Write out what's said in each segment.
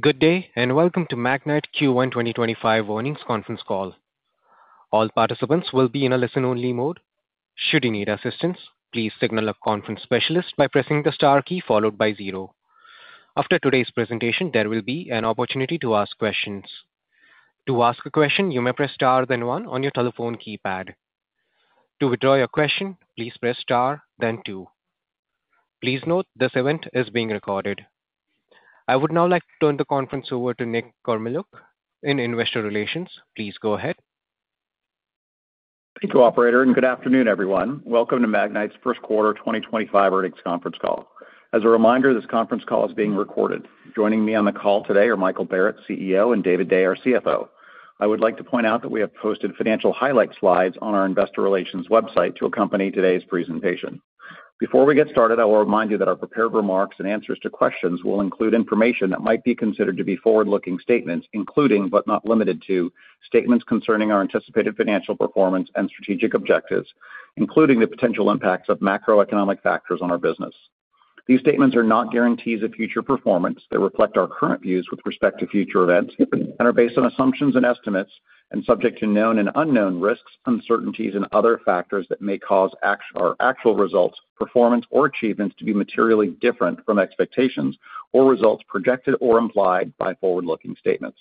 Good day, and welcome to Magnite Q1 2025 earnings conference call. All participants will be in a listen-only mode. Should you need assistance, please signal a conference specialist by pressing the star key followed by zero. After today's presentation, there will be an opportunity to ask questions. To ask a question, you may press star then one on your telephone keypad. To withdraw your question, please press star then two. Please note this event is being recorded. I would now like to turn the conference over to Nick Kormeluk in investor relations. Please go ahead. Thank you, Operator, and good afternoon, everyone. Welcome to Magnite's first quarter 2025 earnings conference call. As a reminder, this conference call is being recorded. Joining me on the call today are Michael Barrett, CEO, and David Day, our CFO. I would like to point out that we have posted financial highlight slides on our investor relations website to accompany today's presentation. Before we get started, I will remind you that our prepared remarks and answers to questions will include information that might be considered to be forward-looking statements, including but not limited to statements concerning our anticipated financial performance and strategic objectives, including the potential impacts of macroeconomic factors on our business. These statements are not guarantees of future performance. They reflect our current views with respect to future events and are based on assumptions and estimates and subject to known and unknown risks, uncertainties, and other factors that may cause our actual results, performance, or achievements to be materially different from expectations or results projected or implied by forward-looking statements.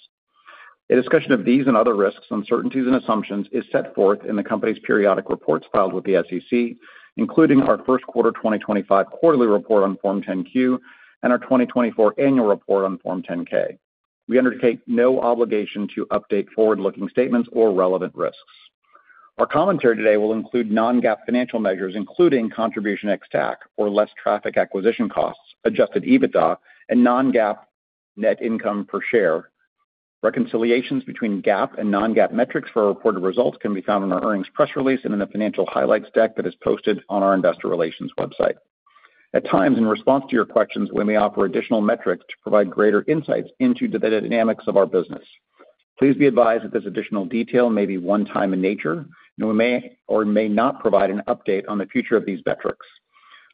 A discussion of these and other risks, uncertainties, and assumptions is set forth in the company's periodic reports filed with the SEC, including our first quarter 2025 quarterly report on Form 10-Q and our 2024 annual report on Form 10-K. We undertake no obligation to update forward-looking statements or relevant risks. Our commentary today will include non-GAAP financial measures, including contribution ex-TAC or less traffic acquisition costs, adjusted EBITDA, and non-GAAP net income per share. Reconciliations between GAAP and non-GAAP metrics for our reported results can be found on our earnings press release and in the financial highlights deck that is posted on our investor relations website. At times, in response to your questions, we may offer additional metrics to provide greater insights into the dynamics of our business. Please be advised that this additional detail may be one-time in nature, and we may or may not provide an update on the future of these metrics.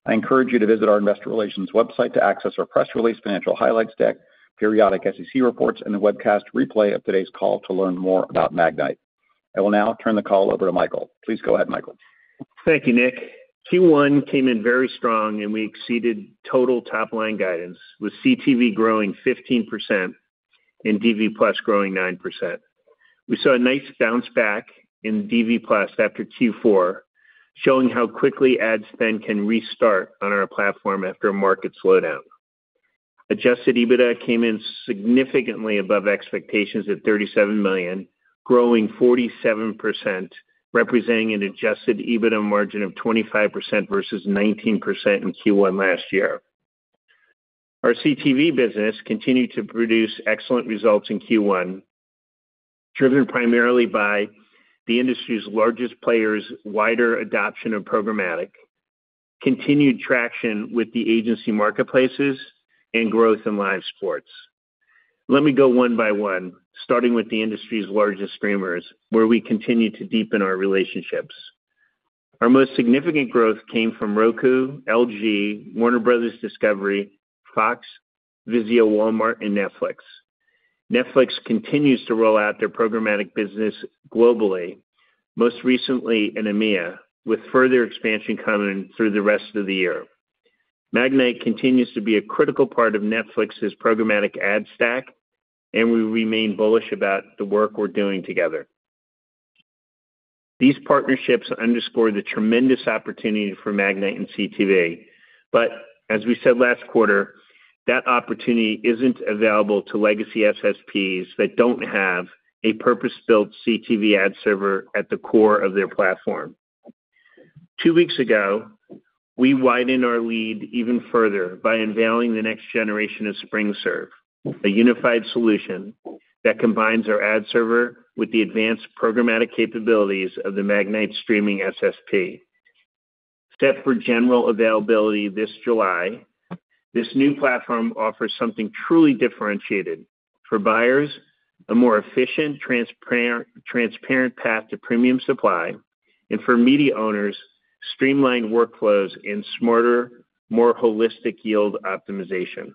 I encourage you to visit our investor relations website to access our press release, financial highlights deck, periodic SEC reports, and the webcast replay of today's call to learn more about Magnite. I will now turn the call over to Michael. Please go ahead, Michael. Thank you, Nick. Q1 came in very strong, and we exceeded total top-line guidance, with CTV growing 15% and DV+ growing 9%. We saw a nice bounce back in DV+ after Q4, showing how quickly ad spend can restart on our platform after a market slowdown. Adjusted EBITDA came in significantly above expectations at $37 million, growing 47%, representing an adjusted EBITDA margin of 25% versus 19% in Q1 last year. Our CTV business continued to produce excellent results in Q1, driven primarily by the industry's largest players' wider adoption of programmatic, continued traction with the agency marketplaces, and growth in live sports. Let me go one by one, starting with the industry's largest streamers, where we continue to deepen our relationships. Our most significant growth came from Roku, LG, Warner Bros. Discovery, Fox, Vizio, Walmart, and Netflix. Netflix continues to roll out their programmatic business globally, most recently in EMEA, with further expansion coming through the rest of the year. Magnite continues to be a critical part of Netflix's programmatic ad stack, and we remain bullish about the work we're doing together. These partnerships underscore the tremendous opportunity for Magnite and CTV, but as we said last quarter, that opportunity isn't available to legacy SSPs that don't have a purpose-built CTV ad server at the core of their platform. Two weeks ago, we widened our lead even further by unveiling the next generation of SpringServe, a unified solution that combines our ad server with the advanced programmatic capabilities of the Magnite streaming SSP. Set for general availability this July, this new platform offers something truly differentiated for buyers: a more efficient, transparent path to premium supply, and for media owners, streamlined workflows and smarter, more holistic yield optimization.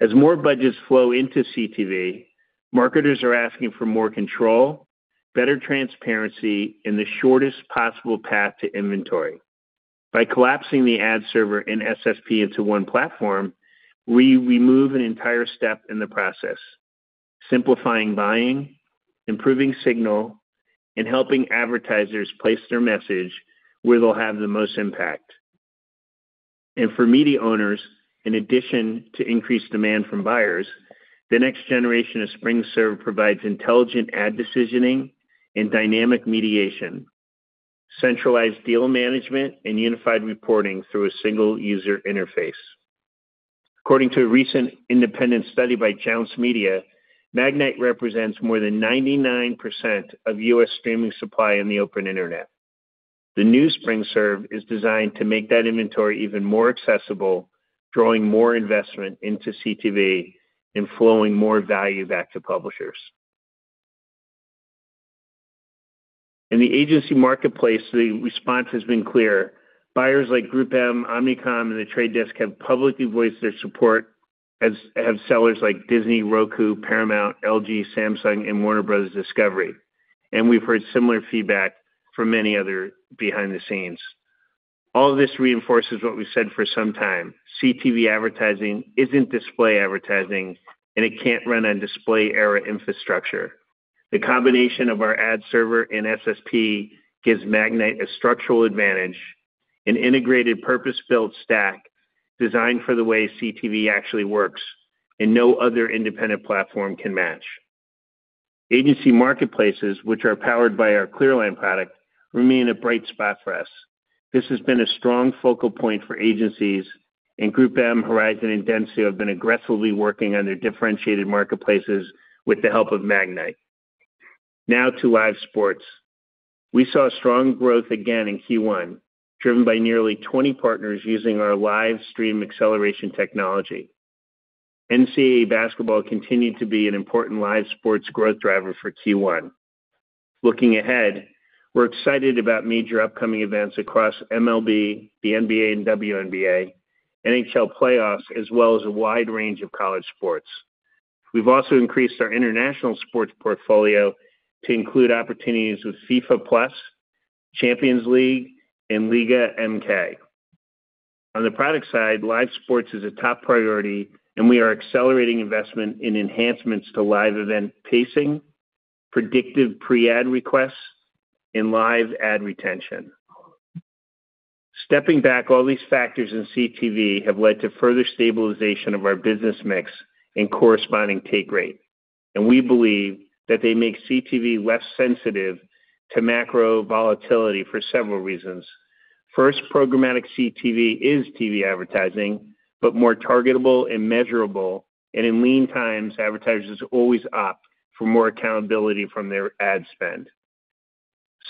As more budgets flow into CTV, marketers are asking for more control, better transparency, and the shortest possible path to inventory. By collapsing the ad server and SSP into one platform, we remove an entire step in the process, simplifying buying, improving signal, and helping advertisers place their message where they'll have the most impact. For media owners, in addition to increased demand from buyers, the next generation of SpringServe provides intelligent ad decisioning and dynamic mediation, centralized deal management, and unified reporting through a single user interface. According to a recent independent study by Challenged Media, Magnite represents more than 99% of U.S. streaming supply on the open internet. The new SpringServe is designed to make that inventory even more accessible, drawing more investment into CTV and flowing more value back to publishers. In the agency marketplace, the response has been clear. Buyers like GroupM, Omnicom, and The Trade Desk have publicly voiced their support, as have sellers like Disney, Roku, Paramount, LG, Samsung, and Warner Bros. Discovery. We have heard similar feedback from many others behind the scenes. All of this reinforces what we have said for some time: CTV advertising is not display advertising, and it cannot run on display-era infrastructure. The combination of our ad server and SSP gives Magnite a structural advantage, an integrated purpose-built stack designed for the way CTV actually works, and no other independent platform can match. Agency marketplaces, which are powered by our ClearLine product, remain a bright spot for us. This has been a strong focal point for agencies, and GroupM, Horizon, and Dentsu have been aggressively working on their differentiated marketplaces with the help of Magnite. Now to live sports. We saw strong growth again in Q1, driven by nearly 20 partners using our live stream acceleration technology. NCAA basketball continued to be an important live sports growth driver for Q1. Looking ahead, we're excited about major upcoming events across MLB, the NBA, and WNBA, NHL playoffs, as well as a wide range of college sports. We've also increased our international sports portfolio to include opportunities with FIFA Plus, Champions League, and Liga MX. On the product side, live sports is a top priority, and we are accelerating investment in enhancements to live event pacing, predictive pre-ad requests, and live ad retention. Stepping back, all these factors in CTV have led to further stabilization of our business mix and corresponding take rate, and we believe that they make CTV less sensitive to macro volatility for several reasons. First, programmatic CTV is TV advertising, but more targetable and measurable, and in lean times, advertisers always opt for more accountability from their ad spend.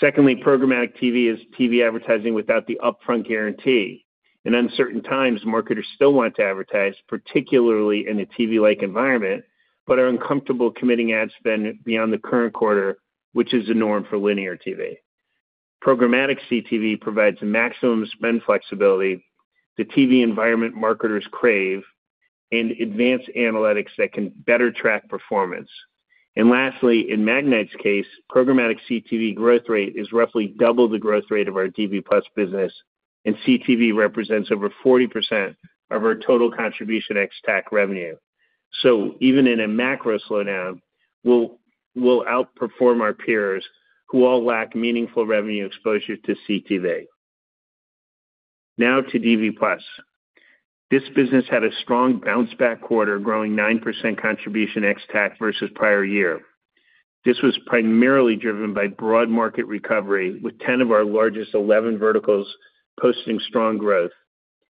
Secondly, programmatic TV is TV advertising without the upfront guarantee. In uncertain times, marketers still want to advertise, particularly in a TV-like environment, but are uncomfortable committing ad spend beyond the current quarter, which is the norm for linear TV. Programmatic CTV provides maximum spend flexibility, the TV environment marketers crave, and advanced analytics that can better track performance. Lastly, in Magnite's case, programmatic CTV growth rate is roughly double the growth rate of our DV+ business, and CTV represents over 40% of our total contribution ex-TAC revenue. Even in a macro slowdown, we'll outperform our peers who all lack meaningful revenue exposure to CTV. Now to DV+. This business had a strong bounce-back quarter, growing 9% contribution ex-TAC versus prior year. This was primarily driven by broad market recovery, with 10 of our largest 11 verticals posting strong growth,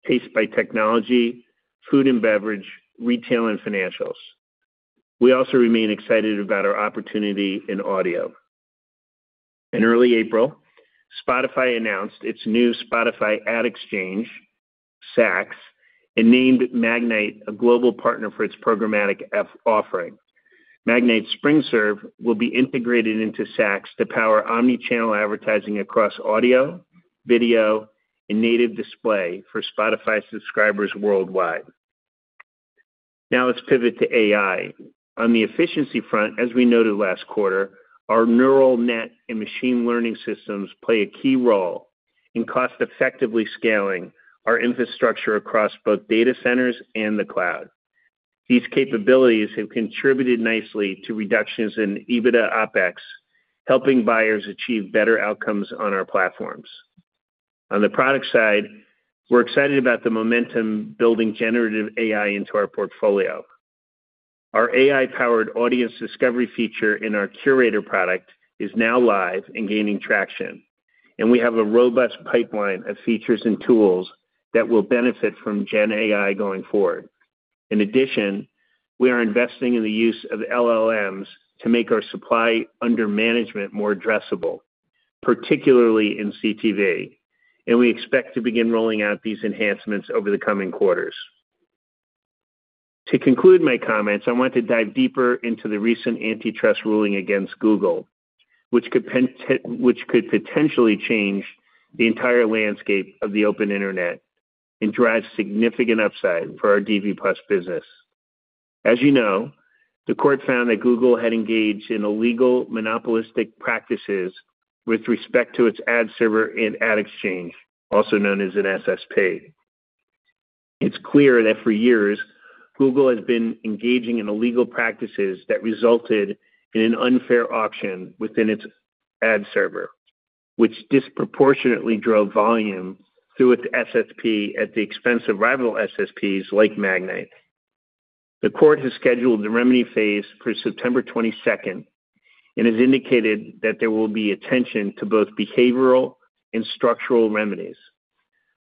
paced by technology, food and beverage, retail, and financials. We also remain excited about our opportunity in audio. In early April, Spotify announced its new Spotify ad exchange, Saax, and named Magnite a global partner for its programmatic offering. Magnite's SpringServe will be integrated into Saax to power omnichannel advertising across audio, video, and native display for Spotify subscribers worldwide. Now let's pivot to AI. On the efficiency front, as we noted last quarter, our neural net and machine learning systems play a key role in cost-effectively scaling our infrastructure across both data centers and the cloud. These capabilities have contributed nicely to reductions in EBITDA OpEx, helping buyers achieve better outcomes on our platforms. On the product side, we're excited about the momentum building generative AI into our portfolio. Our AI-powered audience discovery feature in our Curator product is now live and gaining traction, and we have a robust pipeline of features and tools that will benefit from GenAI going forward. In addition, we are investing in the use of LLMs to make our supply under management more addressable, particularly in CTV, and we expect to begin rolling out these enhancements over the coming quarters. To conclude my comments, I want to dive deeper into the recent antitrust ruling against Google, which could potentially change the entire landscape of the open internet and drive significant upside for our DV+ business. As you know, the court found that Google had engaged in illegal monopolistic practices with respect to its ad server and ad exchange, also known as an SSP. It's clear that for years, Google has been engaging in illegal practices that resulted in an unfair auction within its ad server, which disproportionately drove volume through its SSP at the expense of rival SSPs like Magnite. The court has scheduled the remedy phase for September 22 and has indicated that there will be attention to both behavioral and structural remedies.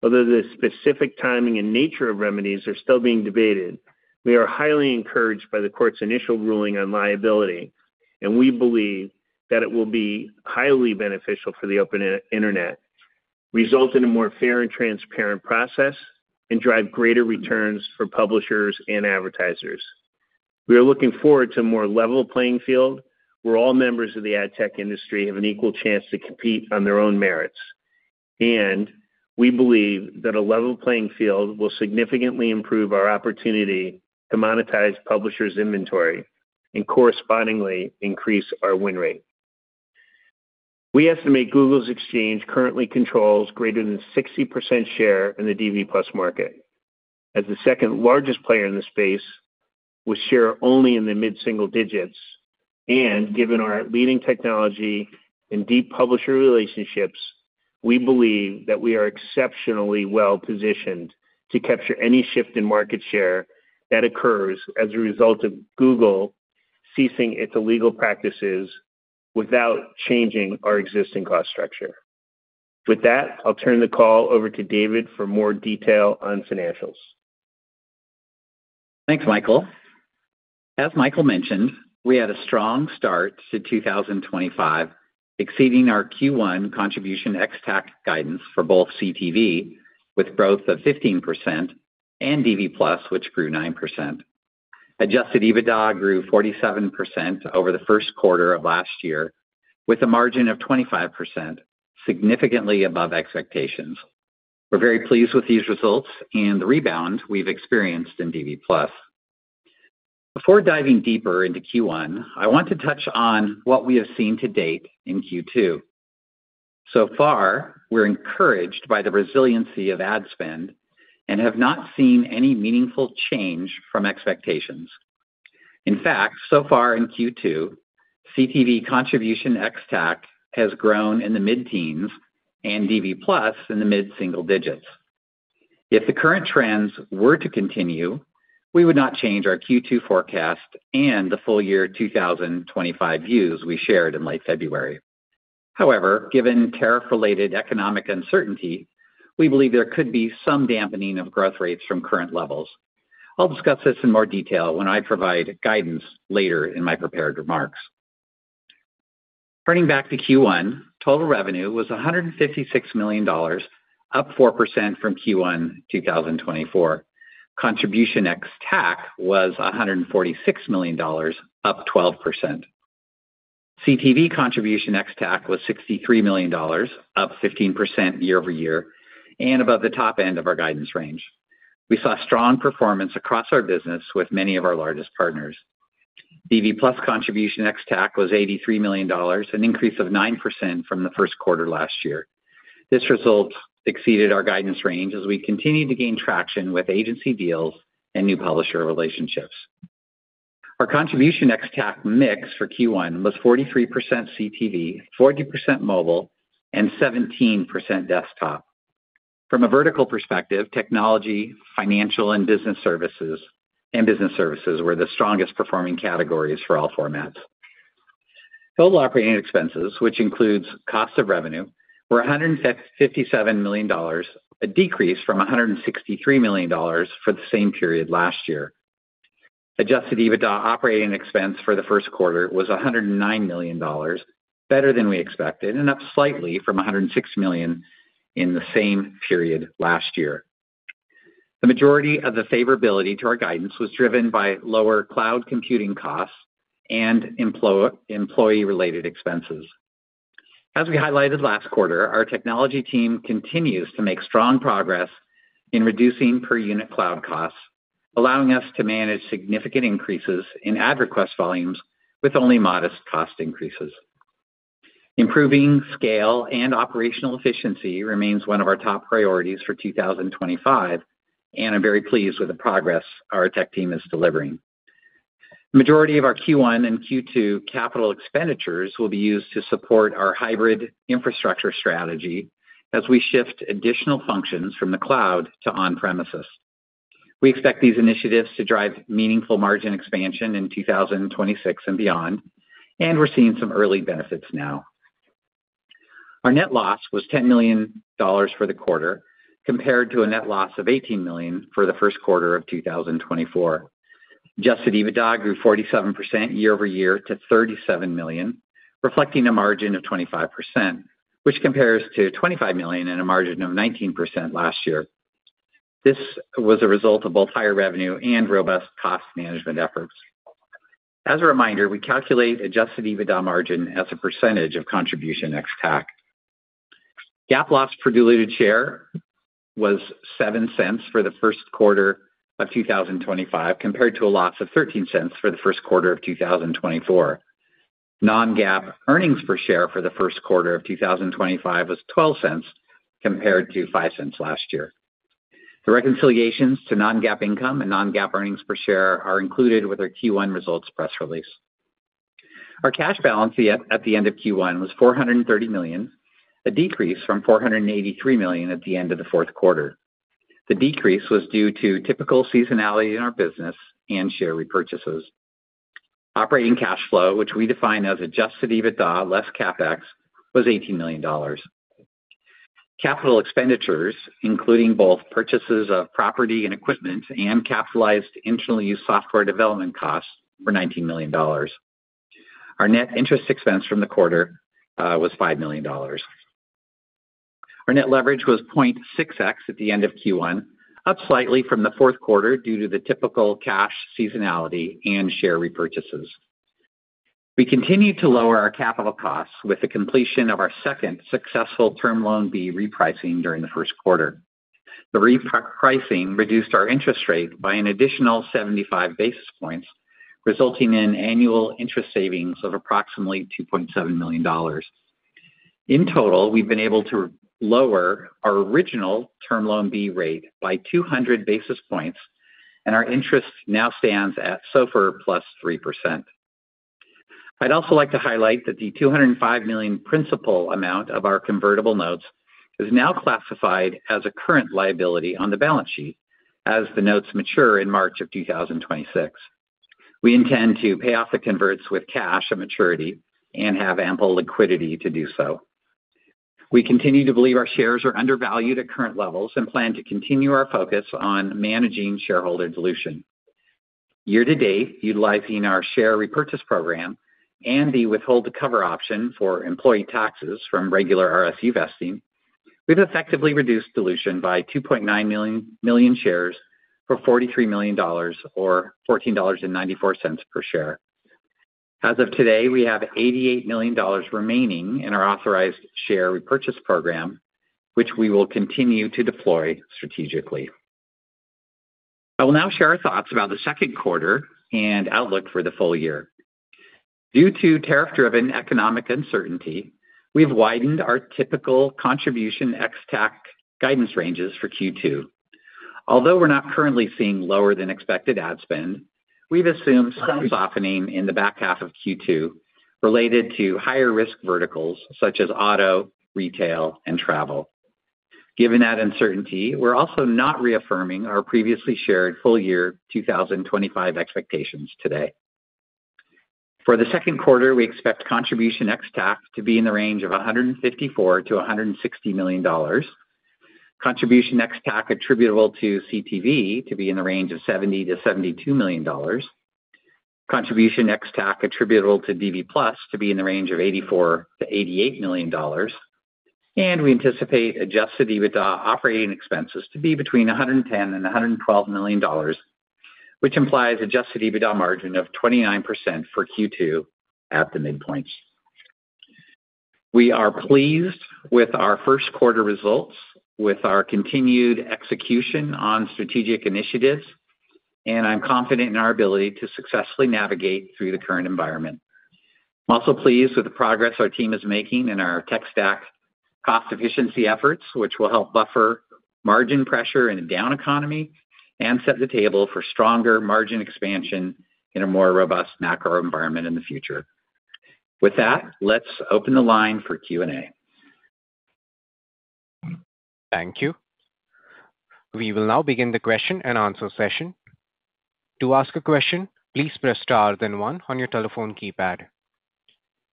Although the specific timing and nature of remedies are still being debated, we are highly encouraged by the court's initial ruling on liability, and we believe that it will be highly beneficial for the open internet, result in a more fair and transparent process, and drive greater returns for publishers and advertisers. We are looking forward to a more level playing field where all members of the ad tech industry have an equal chance to compete on their own merits. We believe that a level playing field will significantly improve our opportunity to monetize publishers' inventory and correspondingly increase our win rate. We estimate Google's exchange currently controls greater than 60% share in the DV+ market. As the second largest player in the space, we share only in the mid-single digits, and given our leading technology and deep publisher relationships, we believe that we are exceptionally well positioned to capture any shift in market share that occurs as a result of Google ceasing its illegal practices without changing our existing cost structure. With that, I'll turn the call over to David for more detail on financials. Thanks, Michael. As Michael mentioned, we had a strong start to 2025, exceeding our Q1 contribution ex-TAC guidance for both CTV with growth of 15% and DV+ which grew 9%. Adjusted EBITDA grew 47% over the first quarter of last year, with a margin of 25%, significantly above expectations. We're very pleased with these results and the rebound we've experienced in DV+. Before diving deeper into Q1, I want to touch on what we have seen to date in Q2. So far, we're encouraged by the resiliency of ad spend and have not seen any meaningful change from expectations. In fact, so far in Q2, CTV contribution ex-TAC has grown in the mid-teens and DV+ in the mid-single digits. If the current trends were to continue, we would not change our Q2 forecast and the full year 2025 views we shared in late February. However, given tariff-related economic uncertainty, we believe there could be some dampening of growth rates from current levels. I'll discuss this in more detail when I provide guidance later in my prepared remarks. Turning back to Q1, total revenue was $156 million, up 4% from Q1 2024. Contribution ex-TAC was $146 million, up 12%. CTV contribution ex-TAC was $63 million, up 15% year over year, and above the top end of our guidance range. We saw strong performance across our business with many of our largest partners. DV+ contribution ex-TAC was $83 million, an increase of 9% from the first quarter last year. This result exceeded our guidance range as we continued to gain traction with agency deals and new publisher relationships. Our contribution ex-TAC mix for Q1 was 43% CTV, 40% mobile, and 17% desktop. From a vertical perspective, technology, financial, and business services were the strongest performing categories for all formats. Total operating expenses, which includes cost of revenue, were $157 million, a decrease from $163 million for the same period last year. Adjusted EBITDA operating expense for the first quarter was $109 million, better than we expected, and up slightly from $106 million in the same period last year. The majority of the favorability to our guidance was driven by lower cloud computing costs and employee-related expenses. As we highlighted last quarter, our technology team continues to make strong progress in reducing per-unit cloud costs, allowing us to manage significant increases in ad request volumes with only modest cost increases. Improving scale and operational efficiency remains one of our top priorities for 2025, and I'm very pleased with the progress our tech team is delivering. The majority of our Q1 and Q2 capital expenditures will be used to support our hybrid infrastructure strategy as we shift additional functions from the cloud to on-premises. We expect these initiatives to drive meaningful margin expansion in 2026 and beyond, and we're seeing some early benefits now. Our net loss was $10 million for the quarter, compared to a net loss of $18 million for the first quarter of 2024. Adjusted EBITDA grew 47% year over year to $37 million, reflecting a margin of 25%, which compares to $25 million and a margin of 19% last year. This was a result of both higher revenue and robust cost management efforts. As a reminder, we calculate adjusted EBITDA margin as a percentage of contribution ex-TAC. GAAP loss per diluted share was $0.07 for the first quarter of 2025, compared to a loss of $0.13 for the first quarter of 2024. Non-GAAP earnings per share for the first quarter of 2025 was $0.12, compared to $0.05 last year. The reconciliations to non-GAAP income and non-GAAP earnings per share are included with our Q1 results press release. Our cash balance at the end of Q1 was $430 million, a decrease from $483 million at the end of the fourth quarter. The decrease was due to typical seasonality in our business and share repurchases. Operating cash flow, which we define as adjusted EBITDA less CapEx, was $18 million. Capital expenditures, including both purchases of property and equipment and capitalized internal use software development costs, were $19 million. Our net interest expense from the quarter was $5 million. Our net leverage was 0.6x at the end of Q1, up slightly from the fourth quarter due to the typical cash seasonality and share repurchases. We continued to lower our capital costs with the completion of our second successful term loan B repricing during the first quarter. The repricing reduced our interest rate by an additional 75 basis points, resulting in annual interest savings of approximately $2.7 million. In total, we've been able to lower our original term loan B rate by 200 basis points, and our interest now stands at SOFR plus 3%. I'd also like to highlight that the $205 million principal amount of our convertible notes is now classified as a current liability on the balance sheet as the notes mature in March of 2026. We intend to pay off the converts with cash at maturity and have ample liquidity to do so. We continue to believe our shares are undervalued at current levels and plan to continue our focus on managing shareholder dilution. Year to date, utilizing our share repurchase program and the withhold to cover option for employee taxes from regular RSU vesting, we've effectively reduced dilution by 2.9 million shares for $43 million, or $14.94 per share. As of today, we have $88 million remaining in our authorized share repurchase program, which we will continue to deploy strategically. I will now share our thoughts about the second quarter and outlook for the full year. Due to tariff-driven economic uncertainty, we've widened our typical contribution ex-TAC guidance ranges for Q2. Although we're not currently seeing lower than expected ad spend, we've assumed some softening in the back half of Q2 related to higher risk verticals such as auto, retail, and travel. Given that uncertainty, we're also not reaffirming our previously shared full year 2025 expectations today. For the second quarter, we expect contribution ex-TAC to be in the range of $154-$160 million, contribution ex-TAC attributable to CTV to be in the range of $70-$72 million, contribution ex-TAC attributable to DV+ to be in the range of $84-$88 million, and we anticipate adjusted EBITDA operating expenses to be between $110 and $112 million, which implies adjusted EBITDA margin of 29% for Q2 at the mid-points. We are pleased with our first quarter results with our continued execution on strategic initiatives, and I'm confident in our ability to successfully navigate through the current environment. I'm also pleased with the progress our team is making in our tech stack cost efficiency efforts, which will help buffer margin pressure in a down economy and set the table for stronger margin expansion in a more robust macro environment in the future. With that, let's open the line for Q&A. Thank you. We will now begin the question and answer session. To ask a question, please press star then one on your telephone keypad.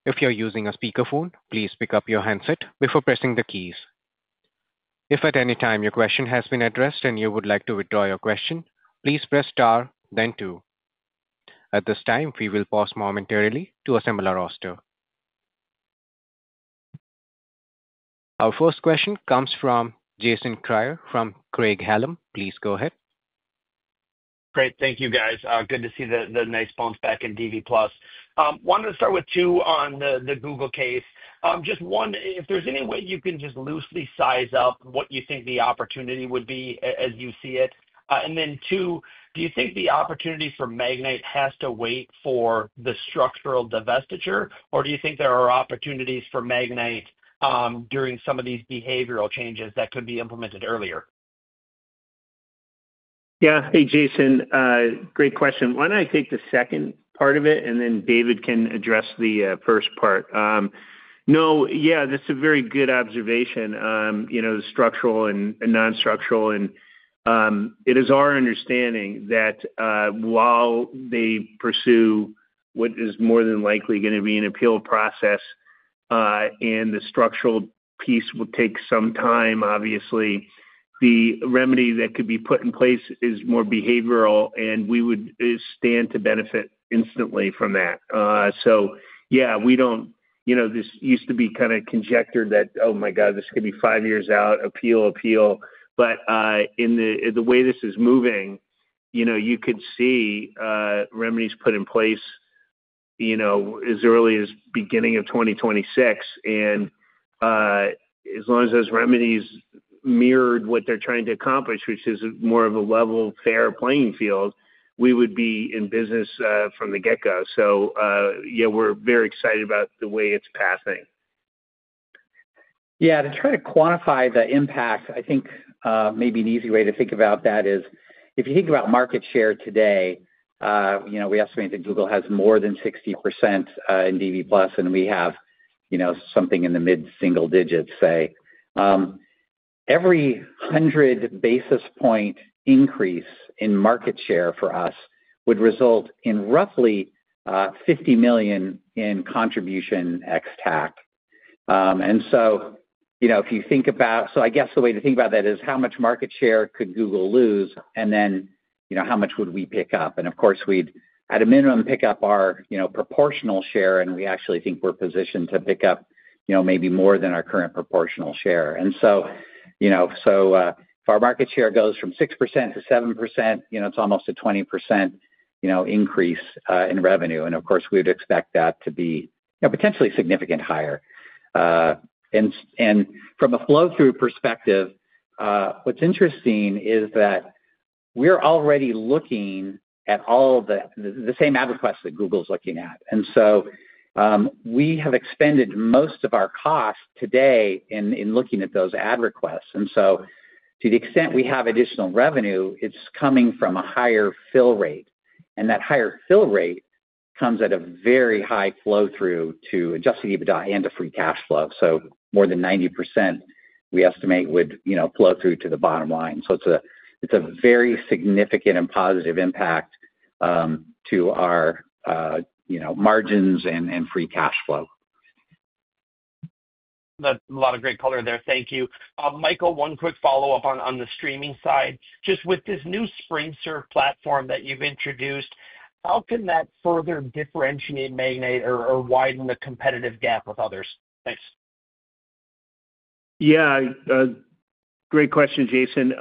If you're using a speakerphone, please pick up your handset before pressing the keys. If at any time your question has been addressed and you would like to withdraw your question, please press star then two. At this time, we will pause momentarily to assemble our roster. Our first question comes from Jason Kreyer from Craig-Hallum. Please go ahead. Great. Thank you, guys. Good to see the nice bumps back in DV+. Wanted to start with two on the Google case. Just one, if there's any way you can just loosely size up what you think the opportunity would be as you see it. And then two, do you think the opportunity for Magnite has to wait for the structural divestiture, or do you think there are opportunities for Magnite during some of these behavioral changes that could be implemented earlier? Yeah. Hey, Jason. Great question. Why do not I take the second part of it, and then David can address the first part. No, yeah, that is a very good observation. The structural and non-structural, and it is our understanding that while they pursue what is more than likely going to be an appeal process and the structural piece will take some time, obviously, the remedy that could be put in place is more behavioral, and we would stand to benefit instantly from that. Yeah, this used to be kind of conjectured that, "Oh my God, this could be five years out, appeal, appeal." In the way this is moving, you could see remedies put in place as early as beginning of 2026. As long as those remedies mirrored what they're trying to accomplish, which is more of a level fair playing field, we would be in business from the get-go. Yeah, we're very excited about the way it's passing. Yeah. To try to quantify the impact, I think maybe an easy way to think about that is if you think about market share today, we estimate that Google has more than 60% in DV+, and we have something in the mid-single digits, say. Every 100 basis point increase in market share for us would result in roughly $50 million in contribution x TAC. If you think about, I guess the way to think about that is how much market share could Google lose, and then how much would we pick up? Of course, we'd at a minimum pick up our proportional share, and we actually think we're positioned to pick up maybe more than our current proportional share. If our market share goes from 6% - 7%, it's almost a 20% increase in revenue. Of course, we would expect that to be potentially significantly higher. From a flow-through perspective, what's interesting is that we're already looking at all the same ad requests that Google is looking at. We have expended most of our costs today in looking at those ad requests. To the extent we have additional revenue, it's coming from a higher fill rate. That higher fill rate comes at a very high flow-through to adjusted EBITDA and free cash flow. More than 90%, we estimate, would flow through to the bottom line. It's a very significant and positive impact to our margins and free cash flow. That's a lot of great color there. Thank you. Michael, one quick follow-up on the streaming side. Just with this new SpringServe platform that you've introduced, how can that further differentiate Magnite or widen the competitive gap with others? Thanks. Yeah. Great question, Jason.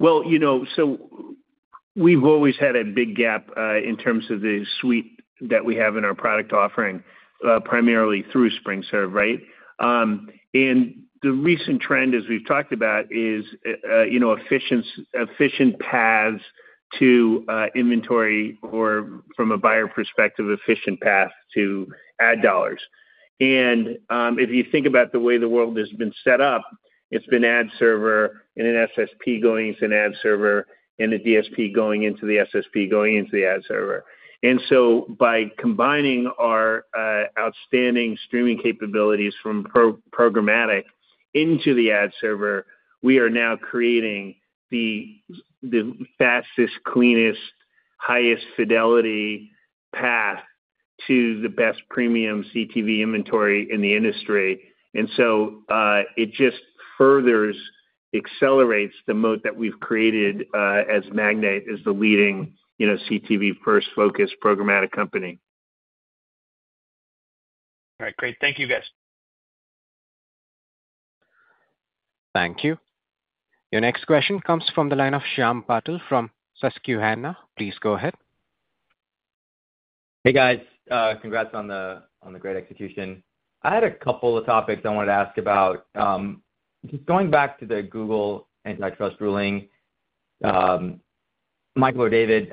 We've always had a big gap in terms of the suite that we have in our product offering, primarily through SpringServe, right? The recent trend, as we've talked about, is efficient paths to inventory or, from a buyer perspective, efficient paths to ad dollars. If you think about the way the world has been set up, it's been ad server and an SSP going into an ad server and a DSP going into the SSP going into the ad server. By combining our outstanding streaming capabilities from programmatic into the ad server, we are now creating the fastest, cleanest, highest fidelity path to the best premium CTV inventory in the industry. It just further accelerates the moat that we've created as Magnite is the leading CTV-first-focused programmatic company. All right. Great. Thank you, guys. Thank you. Your next question comes from the line of Shyam Patil from Susquehanna. Please go ahead. Hey, guys. Congrats on the great execution. I had a couple of topics I wanted to ask about. Just going back to the Google antitrust ruling, Michael or David,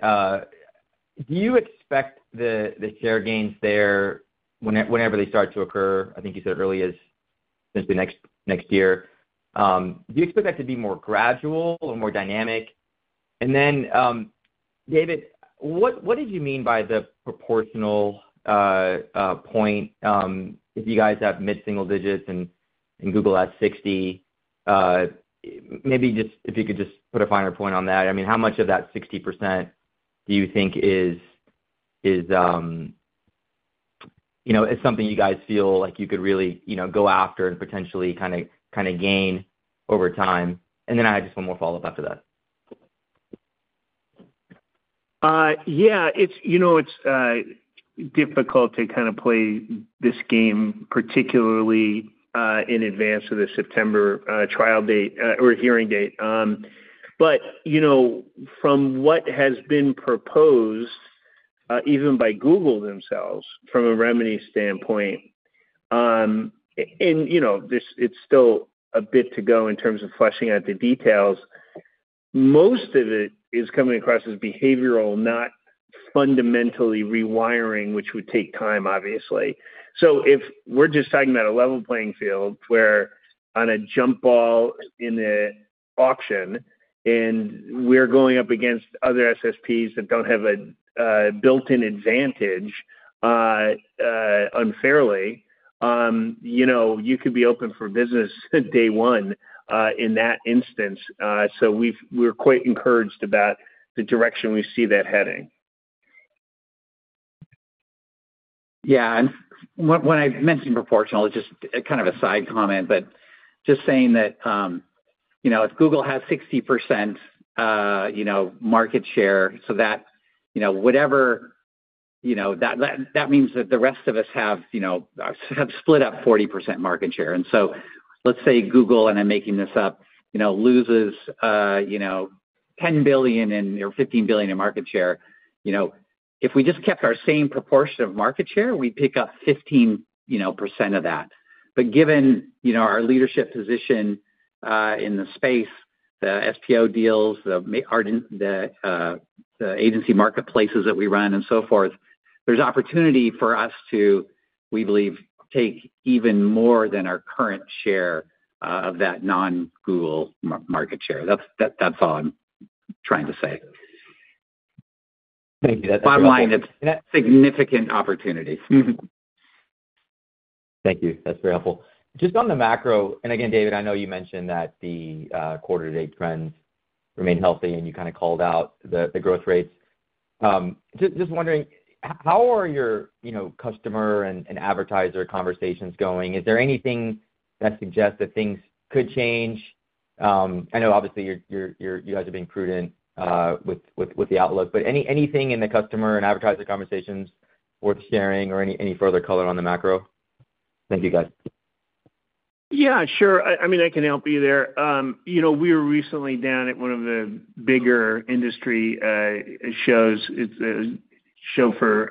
do you expect the share gains there whenever they start to occur? I think you said early as since the next year. Do you expect that to be more gradual or more dynamic? David, what did you mean by the proportional point if you guys have mid-single digits and Google has 60%? Maybe just if you could just put a finer point on that. I mean, how much of that 60% do you think is something you guys feel like you could really go after and potentially kind of gain over time? I had just one more follow-up after that. Yeah. It's difficult to kind of play this game, particularly in advance of the September trial date or hearing date. From what has been proposed, even by Google themselves, from a remedy standpoint, and it's still a bit to go in terms of flushing out the details, most of it is coming across as behavioral, not fundamentally rewiring, which would take time, obviously. If we're just talking about a level playing field where on a jump ball in the auction and we're going up against other SSPs that don't have a built-in advantage unfairly, you could be open for business day one in that instance. We're quite encouraged about the direction we see that heading. Yeah. When I mentioned proportional, it's just kind of a side comment, but just saying that if Google has 60% market share, so whatever that means, the rest of us have split up 40% market share. Let's say Google, and I'm making this up, loses $10 billion or $15 billion in market share. If we just kept our same proportion of market share, we'd pick up 15% of that. Given our leadership position in the space, the SPO deals, the agency marketplaces that we run, and so forth, there's opportunity for us to, we believe, take even more than our current share of that non-Google market share. That's all I'm trying to say. Thank you. That's a bottom line. That's significant opportunity. Thank you. That's very helpful. Just on the macro, and again, David, I know you mentioned that the quarter-to-date trends remain healthy, and you kind of called out the growth rates. Just wondering, how are your customer and advertiser conversations going? Is there anything that suggests that things could change? I know, obviously, you guys have been prudent with the outlook, but anything in the customer and advertiser conversations worth sharing or any further color on the macro? Thank you, guys. Yeah, sure. I mean, I can help you there. We were recently down at one of the bigger industry shows, a show for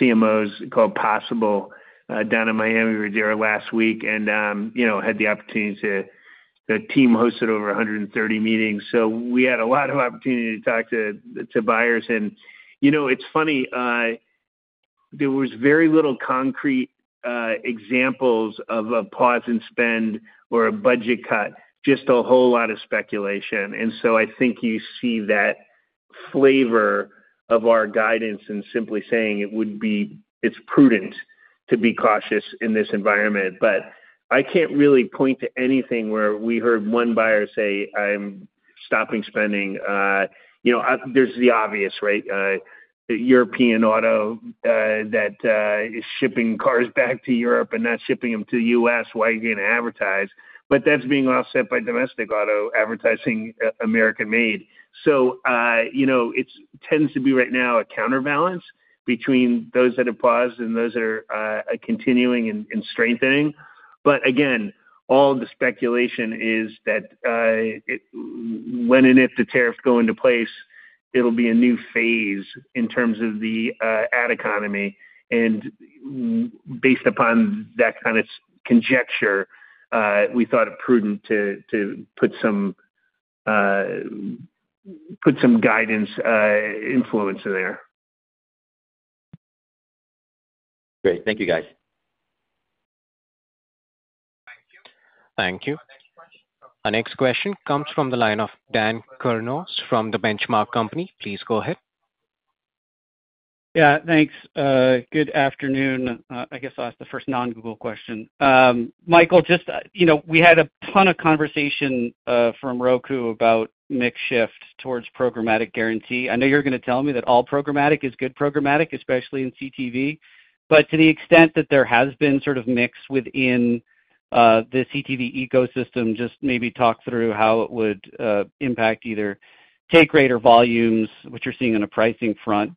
CMOs called Possible down in Miami. We were there last week and had the opportunity to, the team hosted over 130 meetings. So we had a lot of opportunity to talk to buyers. It's funny, there was very little concrete examples of a pause in spend or a budget cut, just a whole lot of speculation. I think you see that flavor of our guidance in simply saying it would be, it's prudent to be cautious in this environment. I can't really point to anything where we heard one buyer say, "I'm stopping spending." There's the obvious, right? European auto that is shipping cars back to Europe and not shipping them to the U.S., why are you going to advertise? That is being offset by domestic auto advertising, American-made. It tends to be right now a counterbalance between those that have paused and those that are continuing and strengthening. Again, all the speculation is that when and if the tariffs go into place, it will be a new phase in terms of the ad economy. Based upon that kind of conjecture, we thought it prudent to put some guidance influence in there. Great. Thank you, guys. Thank you. Thank you. Our next question comes from the line of Dan Kurnos from the Benchmark Company. Please go ahead. Yeah. Thanks. Good afternoon. I guess I'll ask the first non-Google question. Michael, just we had a ton of conversation from Roku about mix shift towards programmatic guarantee. I know you're going to tell me that all programmatic is good programmatic, especially in CTV. To the extent that there has been sort of mix within the CTV ecosystem, just maybe talk through how it would impact either take rate or volumes, what you're seeing on a pricing front.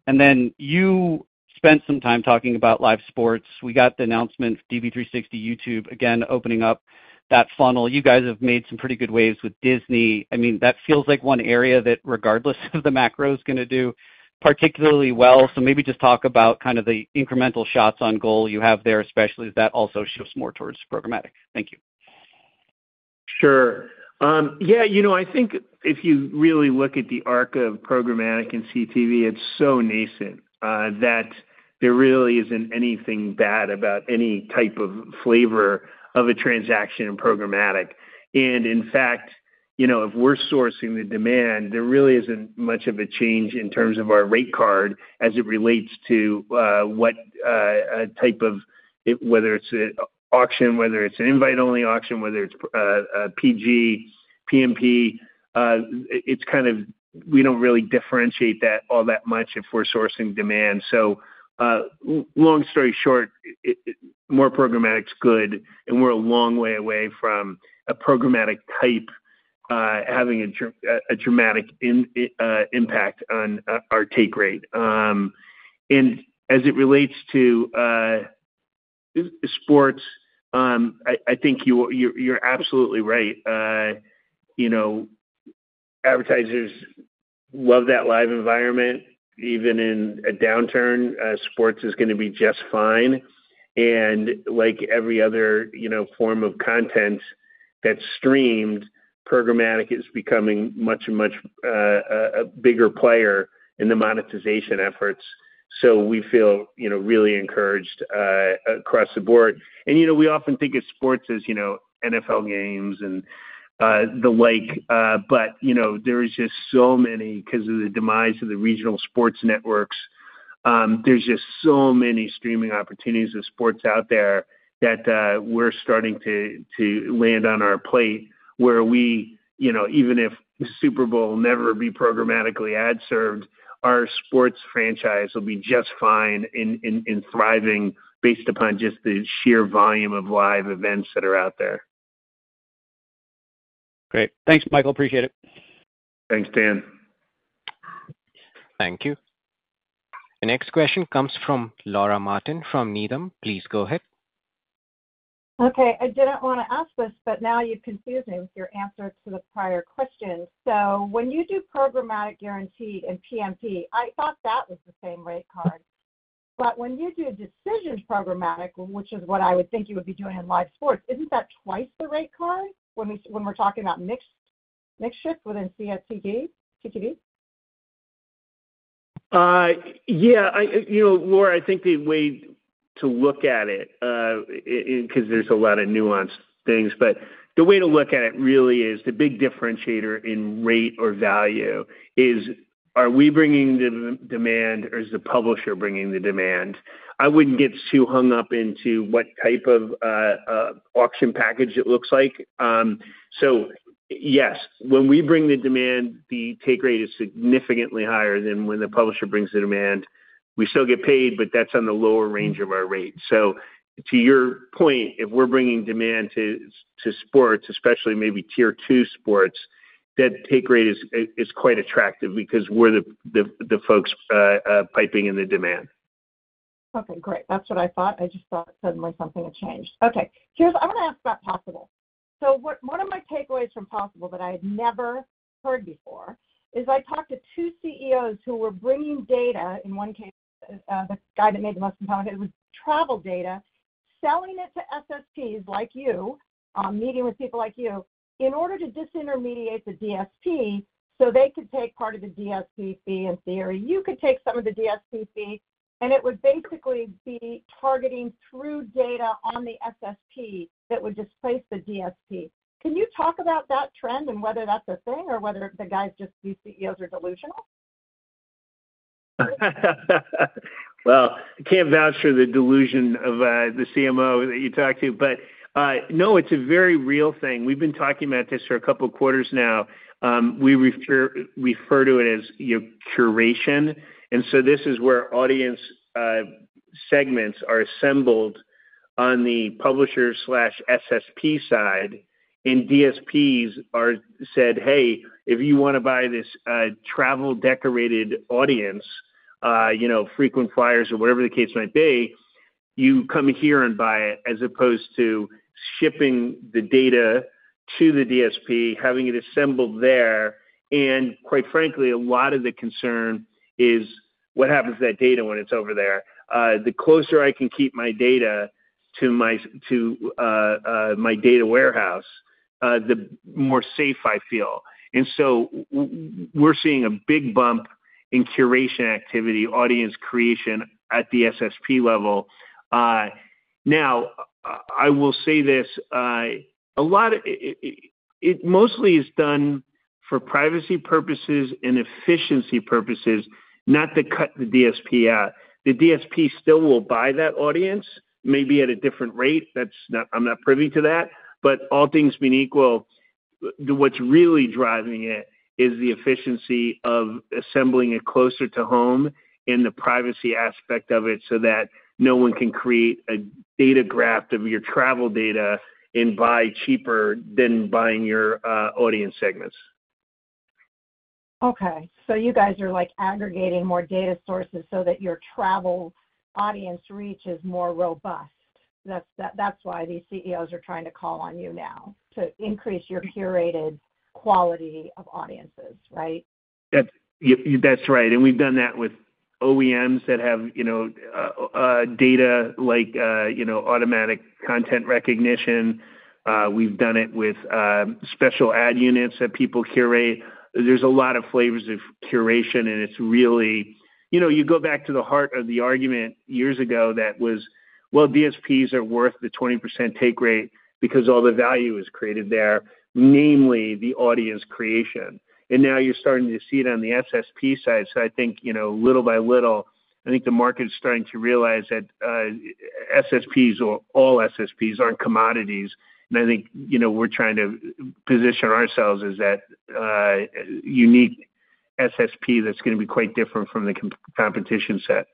You spent some time talking about live sports. We got the announcement, DV360 YouTube, again, opening up that funnel. You guys have made some pretty good waves with Disney. I mean, that feels like one area that, regardless of the macro, is going to do particularly well. Maybe just talk about kind of the incremental shots on goal you have there, especially as that also shifts more towards programmatic. Thank you. Sure. Yeah. I think if you really look at the arc of programmatic and CTV, it's so nascent that there really isn't anything bad about any type of flavor of a transaction in programmatic. In fact, if we're sourcing the demand, there really isn't much of a change in terms of our rate card as it relates to what type of, whether it's an auction, whether it's an invite-only auction, whether it's a PG, PMP, it's kind of, we don't really differentiate that all that much if we're sourcing demand. Long story short, more programmatic's good, and we're a long way away from a programmatic type having a dramatic impact on our take rate. As it relates to sports, I think you're absolutely right. Advertisers love that live environment. Even in a downturn, sports is going to be just fine. Like every other form of content that's streamed, programmatic is becoming much and much a bigger player in the monetization efforts. We feel really encouraged across the board. We often think of sports as NFL games and the like, but there is just so many because of the demise of the regional sports networks. There is just so many streaming opportunities of sports out there that we're starting to land on our plate where we, even if Super Bowl never be programmatically ad-served, our sports franchise will be just fine and thriving based upon just the sheer volume of live events that are out there. Great. Thanks, Michael. Appreciate it. Thanks, Dan. Thank you. The next question comes from Laura Martin from Needham. Please go ahead. Okay. I didn't want to ask this, but now you've confused me with your answer to the prior question. So when you do programmatic guarantee and PMP, I thought that was the same rate card. But when you do decision programmatic, which is what I would think you would be doing in live sports, isn't that twice the rate card when we're talking about mixed shift within CTV? Yeah. More, I think, the way to look at it because there's a lot of nuanced things. The way to look at it really is the big differentiator in rate or value is, are we bringing the demand or is the publisher bringing the demand? I wouldn't get too hung up into what type of auction package it looks like. Yes, when we bring the demand, the take rate is significantly higher than when the publisher brings the demand. We still get paid, but that's on the lower range of our rate. To your point, if we're bringing demand to sports, especially maybe tier two sports, that take rate is quite attractive because we're the folks piping in the demand. Okay. Great. That's what I thought. I just thought suddenly something had changed. Okay. I'm going to ask about Possible. One of my takeaways from Possible that I had never heard before is I talked to two CEOs who were bringing data, in one case, the guy that made the most compelling, it was travel data, selling it to SSPs like you, meeting with people like you, in order to disintermediate the DSP so they could take part of the DSP fee in theory. You could take some of the DSP fee, and it would basically be targeting through data on the SSP that would displace the DSP. Can you talk about that trend and whether that's a thing or whether the guys, just these CEOs, are delusional? I can't vouch for the delusion of the CMO that you talked to, but no, it's a very real thing. We've been talking about this for a couple of quarters now. We refer to it as curation. This is where audience segments are assembled on the publisher/SSP side, and DSPs said, "Hey, if you want to buy this travel-decorated audience, frequent flyers, or whatever the case might be, you come here and buy it," as opposed to shipping the data to the DSP, having it assembled there. Quite frankly, a lot of the concern is, what happens to that data when it's over there? The closer I can keep my data to my data warehouse, the more safe I feel. We're seeing a big bump in curation activity, audience creation at the SSP level. Now, I will say this: a lot of it mostly is done for privacy purposes and efficiency purposes, not to cut the DSP out. The DSP still will buy that audience, maybe at a different rate. I'm not privy to that. All things being equal, what's really driving it is the efficiency of assembling it closer to home and the privacy aspect of it so that no one can create a data graft of your travel data and buy cheaper than buying your audience segments. Okay. So you guys are aggregating more data sources so that your travel audience reach is more robust. That's why these CEOs are trying to call on you now to increase your curated quality of audiences, right? That's right. And we've done that with OEMs that have data like automatic content recognition. We've done it with special ad units that people curate. There's a lot of flavors of curation, and it's really you go back to the heart of the argument years ago that was, "Well, DSPs are worth the 20% take rate because all the value is created there, namely the audience creation." And now you're starting to see it on the SSP side. I think little by little, I think the market is starting to realize that SSPs or all SSPs aren't commodities. I think we're trying to position ourselves as that unique SSP that's going to be quite different from the competition set.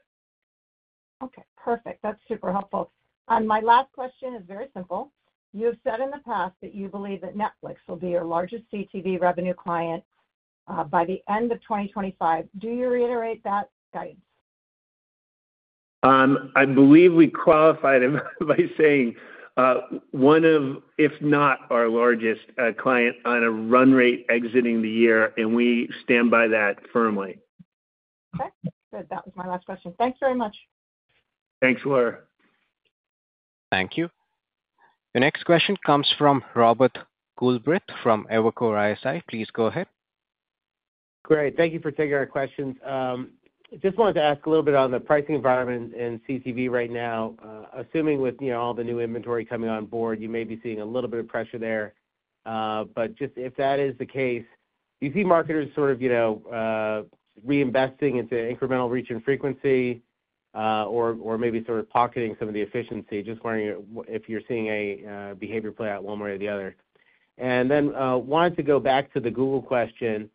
Okay. Perfect. That's super helpful. My last question is very simple. You have said in the past that you believe that Netflix will be your largest CTV revenue client by the end of 2025. Do you reiterate that guidance? I believe we qualified by saying one of, if not our largest client on a run rate exiting the year, and we stand by that firmly. Okay. Good. That was my last question. Thanks very much. Thanks, Laura. Thank you. The next question comes from Robert Coolbrith from Evercore ISI. Please go ahead. Great. Thank you for taking our questions. Just wanted to ask a little bit on the pricing environment in CTV right now. Assuming with all the new inventory coming on board, you may be seeing a little bit of pressure there. If that is the case, do you see marketers sort of reinvesting into incremental reach and frequency or maybe sort of pocketing some of the efficiency? Just wondering if you're seeing a behavior play out one way or the other. I wanted to go back to the Google question.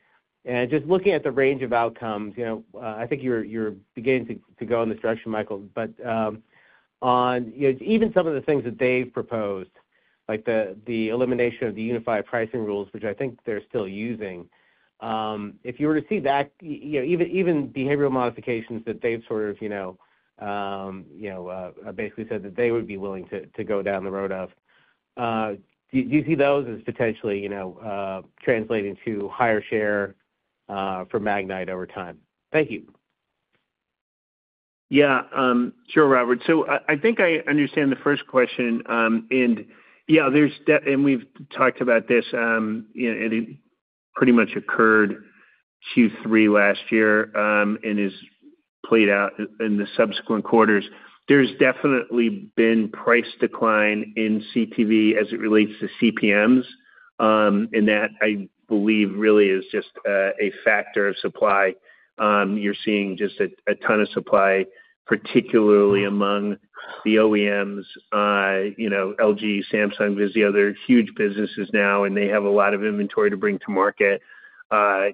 Just looking at the range of outcomes, I think you're beginning to go in this direction, Michael, but on even some of the things that they've proposed, like the elimination of the unified pricing rules, which I think they're still using, if you were to see that, even behavioral modifications that they've sort of basically said that they would be willing to go down the road of, do you see those as potentially translating to higher share for Magnite over time? Thank you. Yeah. Sure, Robert. I think I understand the first question. Yeah, we've talked about this, and it pretty much occurred Q3 last year and has played out in the subsequent quarters. There's definitely been price decline in CTV as it relates to CPMs. That, I believe, really is just a factor of supply. You're seeing just a ton of supply, particularly among the OEMs, LG, Samsung, Vizio, they're huge businesses now, and they have a lot of inventory to bring to market.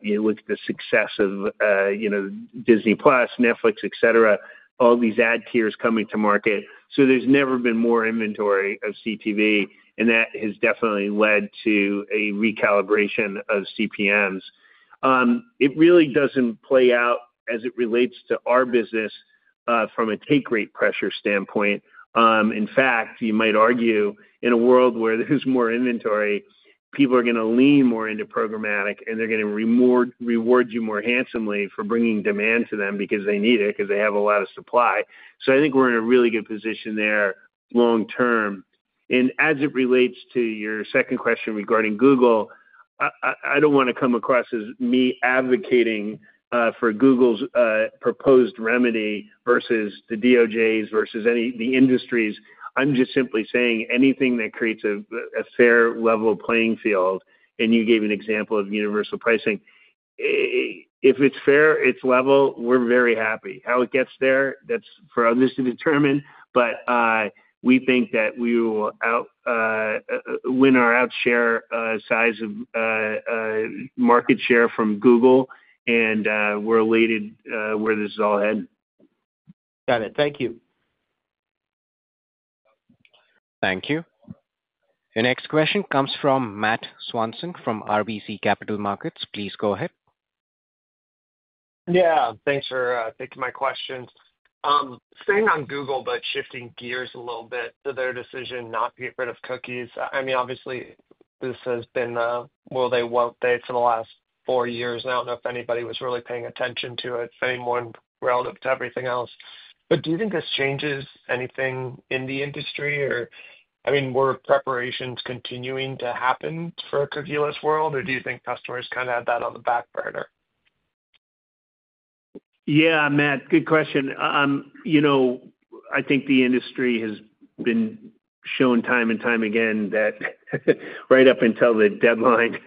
You look at the success of Disney+, Netflix, etc., all these ad tiers coming to market. There's never been more inventory of CTV, and that has definitely led to a recalibration of CPMs. It really doesn't play out as it relates to our business from a take rate pressure standpoint. In fact, you might argue, in a world where there's more inventory, people are going to lean more into programmatic, and they're going to reward you more handsomely for bringing demand to them because they need it, because they have a lot of supply. I think we're in a really good position there long term. As it relates to your second question regarding Google, I don't want to come across as me advocating for Google's proposed remedy versus the DOJ's versus any of the industries. I'm just simply saying anything that creates a fair level playing field, and you gave an example of universal pricing. If it's fair, it's level, we're very happy. How it gets there, that's for others to determine, but we think that we will win our outshare size of market share from Google, and we're elated where this is all headed. Got it. Thank you. Thank you. The next question comes from Matt Swanson from RBC Capital Markets. Please go ahead. Yeah. Thanks for taking my questions. Staying on Google, but shifting gears a little bit to their decision not to get rid of cookies. I mean, obviously, this has been a will they won't they for the last four years. I don't know if anybody was really paying attention to it, if anyone relative to everything else. Do you think this changes anything in the industry? I mean, were preparations continuing to happen for a cookieless world, or do you think customers kind of had that on the back burner? Yeah, Matt. Good question. I think the industry has been shown time and time again that right up until the deadline,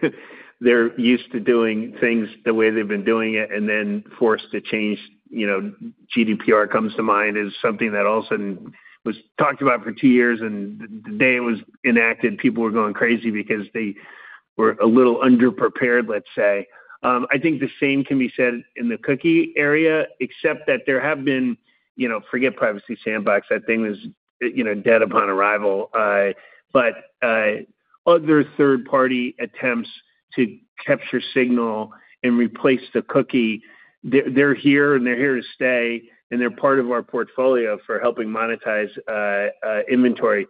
they're used to doing things the way they've been doing it and then forced to change. GDPR comes to mind as something that all of a sudden was talked about for two years, and the day it was enacted, people were going crazy because they were a little underprepared, let's say. I think the same can be said in the cookie area, except that there have been, forget Privacy Sandbox, that thing was dead upon arrival. Other third-party attempts to capture signal and replace the cookie, they're here, and they're here to stay, and they're part of our portfolio for helping monetize inventory.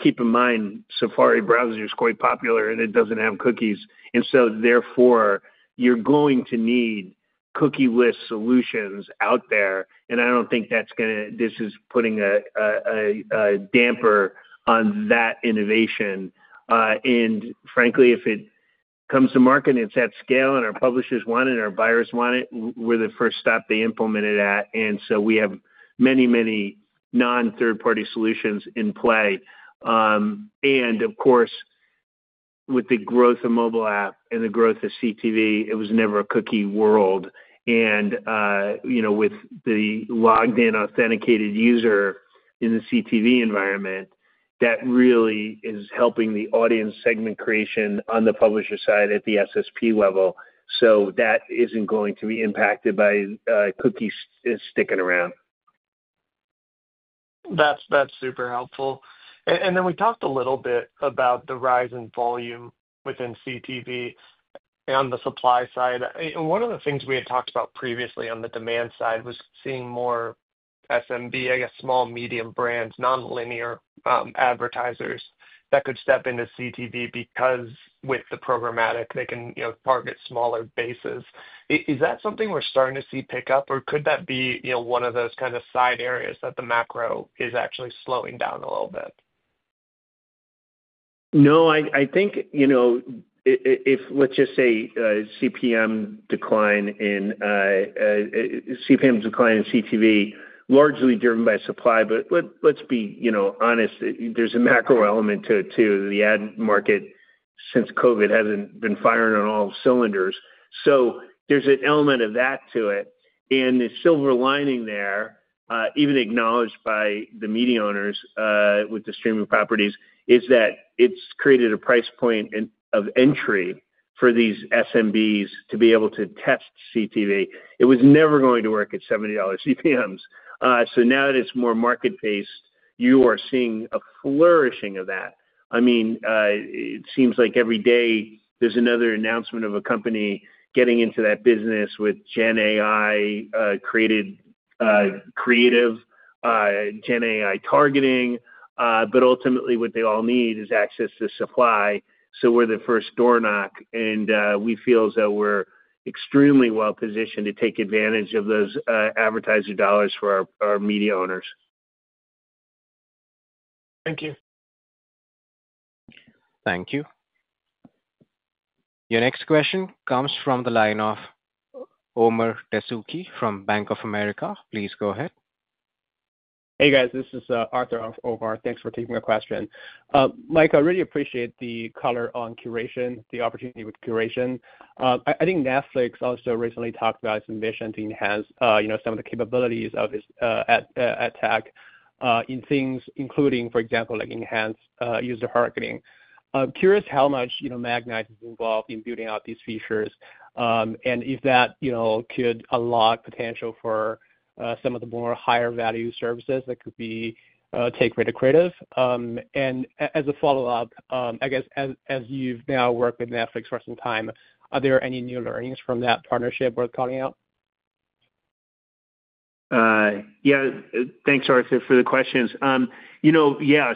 Keep in mind, Safari browser is quite popular, and it doesn't have cookies. Therefore, you're going to need cookie-less solutions out there. I don't think this is putting a damper on that innovation. Frankly, if it comes to market and it's at scale and our publishers want it and our buyers want it, we're the first stop they implement it at. We have many, many non-third-party solutions in play. Of course, with the growth of mobile app and the growth of CTV, it was never a cookie world. With the logged-in authenticated user in the CTV environment, that really is helping the audience segment creation on the publisher side at the SSP level. That isn't going to be impacted by cookies sticking around. That's super helpful. We talked a little bit about the rise in volume within CTV on the supply side. One of the things we had talked about previously on the demand side was seeing more SMB, I guess, small, medium brands, non-linear advertisers that could step into CTV because with the programmatic, they can target smaller bases. Is that something we're starting to see pick up, or could that be one of those kind of side areas that the macro is actually slowing down a little bit? No, I think if let's just say CPM decline in CPM decline in CTV, largely driven by supply, but let's be honest, there's a macro element to the ad market since COVID hasn't been firing on all cylinders. There is an element of that to it. The silver lining there, even acknowledged by the media owners with the streaming properties, is that it's created a price point of entry for these SMBs to be able to test CTV. It was never going to work at $70 CPMs. Now that it's more market-based, you are seeing a flourishing of that. I mean, it seems like every day there's another announcement of a company getting into that business with GenAI-created creative, GenAI targeting. Ultimately, what they all need is access to supply. We're the first door knock, and we feel as though we're extremely well-positioned to take advantage of those advertiser dollars for our media owners. Thank you. Thank you. Your next question comes from the line of Omar Dessouky from Bank of America. Please go ahead. Hey, guys. This is Arthur of Overart. Thanks for taking my question. Mike, I really appreciate the color on curation, the opportunity with curation. I think Netflix also recently talked about its ambition to enhance some of the capabilities of its tech in things, including, for example, enhanced user targeting. I'm curious how much Magnite is involved in building out these features and if that could unlock potential for some of the more higher-value services that could be take rate accretive. As a follow-up, I guess, as you've now worked with Netflix for some time, are there any new learnings from that partnership worth calling out? Yeah. Thanks, Arthur, for the questions. Yeah.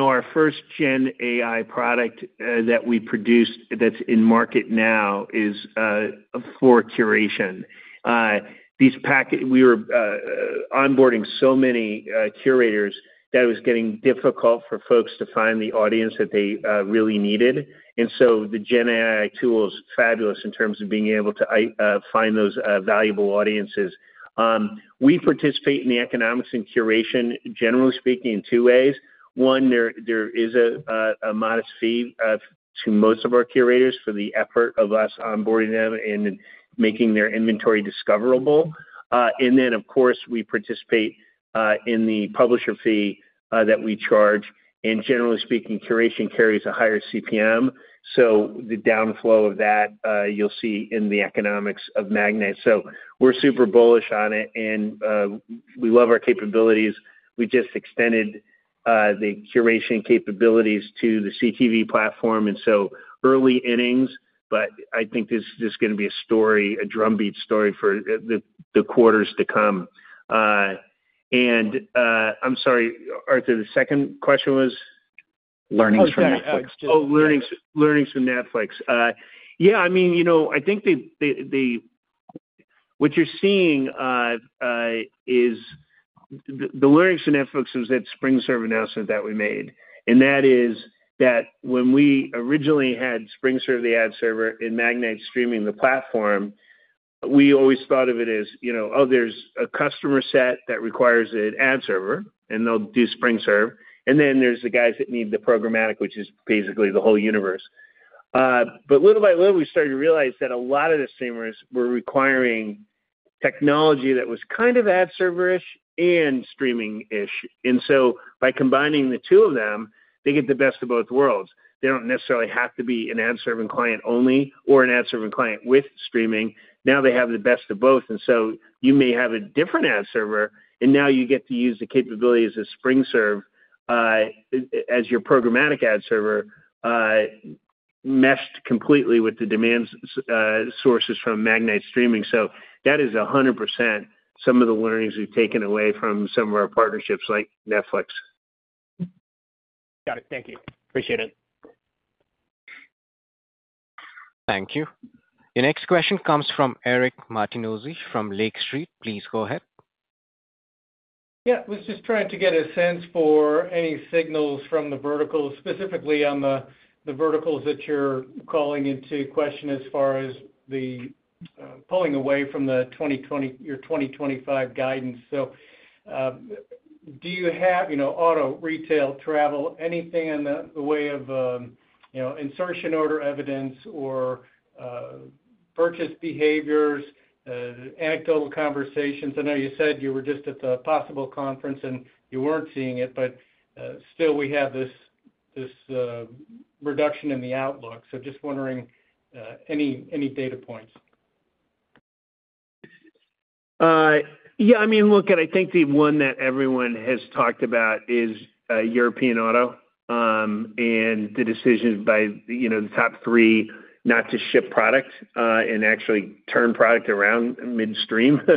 Our first GenAI product that we produced that's in market now is for curation. We were onboarding so many curators that it was getting difficult for folks to find the audience that they really needed. The GenAI tool is fabulous in terms of being able to find those valuable audiences. We participate in the economics in curation, generally speaking, in two ways. One, there is a modest fee to most of our curators for the effort of us onboarding them and making their inventory discoverable. Of course, we participate in the publisher fee that we charge. Generally speaking, curation carries a higher CPM. The downflow of that, you'll see in the economics of Magnite. We're super bullish on it, and we love our capabilities. We just extended the curation capabilities to the CTV platform. Early innings. I think this is just going to be a story, a drumbeat story for the quarters to come. I'm sorry, Arthur, the second question was? Learnings from Netflix. Oh, learnings from Netflix. Yeah. I mean, I think what you're seeing is the learnings from Netflix was that SpringServe announcement that we made. That is that when we originally had SpringServe, the ad server, and Magnite streaming the platform, we always thought of it as, "Oh, there's a customer set that requires an ad server, and they'll do SpringServe." Then there's the guys that need the programmatic, which is basically the whole universe. Little by little, we started to realize that a lot of the streamers were requiring technology that was kind of ad server-ish and streaming-ish. By combining the two of them, they get the best of both worlds. They do not necessarily have to be an ad server client only or an ad server client with streaming. Now they have the best of both. You may have a different ad server, and now you get to use the capabilities of SpringServe as your programmatic ad server, meshed completely with the demand sources from Magnite streaming. That is 100% some of the learnings we've taken away from some of our partnerships like Netflix. Got it. Thank you. Appreciate it. Thank you. Your next question comes from Eric Martinuzzi from Lake Street. Please go ahead. Yeah. I was just trying to get a sense for any signals from the verticals, specifically on the verticals that you're calling into question as far as the pulling away from your 2025 guidance. Do you have auto, retail, travel, anything in the way of insertion order evidence or purchase behaviors, anecdotal conversations? I know you said you were just at the Possible conference, and you weren't seeing it, but still, we have this reduction in the outlook. Just wondering any data points. Yeah. I mean, look, I think the one that everyone has talked about is European auto and the decision by the top three not to ship product and actually turn product around midstream. There